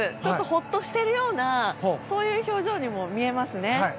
ほっとしているようなそういう表情にも見えますね。